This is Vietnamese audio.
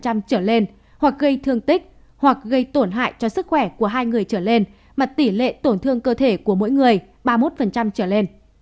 trở lên hoặc gây thương tích hoặc gây tổn hại cho sức khỏe của hai người trở lên mà tỷ lệ tổn thương cơ thể của mỗi người ba mươi một trở lên